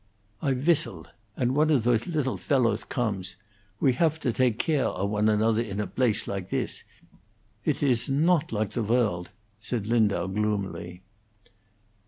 "I vhistle, and one of those lidtle fellowss comess. We haf to dake gare of one another in a blace like this. Idt iss nodt like the worldt," said Lindau, gloomily.